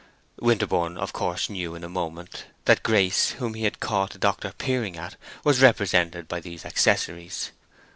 Winterborne of course knew in a moment that Grace, whom he had caught the doctor peering at, was represented by these accessories.